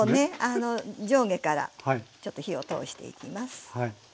あの上下からちょっと火を通していきます。